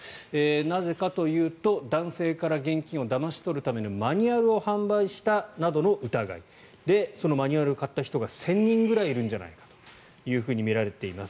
なぜかというと男性から現金をだまし取るためのマニュアルを販売したなどの疑いでそのマニュアルを買った人が１０００人くらいいるんじゃないかとみられています。